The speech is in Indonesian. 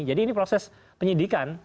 jadi ini proses penyidikan